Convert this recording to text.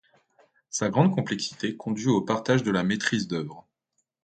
Sa grande complexité conduit au partage de la maîtrise d'œuvre.